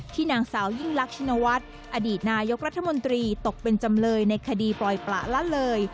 นางสาวยิ่งลักชินวัฒน์อดีตนายกรัฐมนตรีตกเป็นจำเลยในคดีปล่อยปละละเลย